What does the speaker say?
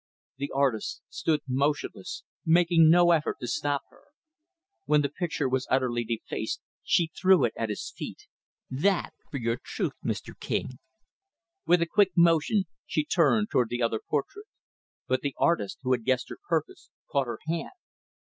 The artist stood motionless making no effort to stop her. When the picture was utterly defaced she threw it at his feet. "That, for your truth, Mr. King!" With a quick motion, she turned toward the other portrait. But the artist, who had guessed her purpose, caught her hand.